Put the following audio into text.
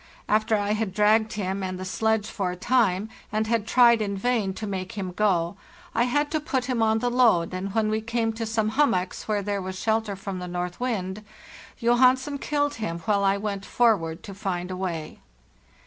After I had dragged him and the sledge for a time and had tried in vain to make him go, I had to put him on the load, and when we came to some hummocks where there was shelter from the north wind, Johansen killed him, while I went forward to find a way.